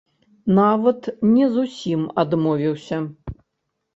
Нават не зусім адмовіўся.